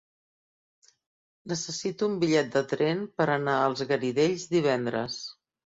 Necessito un bitllet de tren per anar als Garidells divendres.